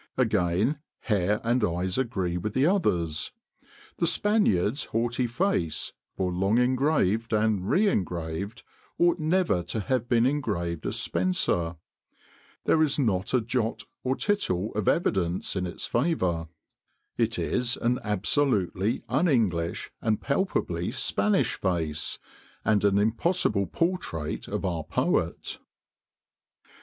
Again, hair and eyes agree with the others. The Spaniard's haughty face, for long engraved and re engraved, ought never to have been engraved as Spenser. There is not a jot or tittle of evidence in its favour. It is an absolutely un English, and palpably Spanish face, and an impossible portrait of our Poet."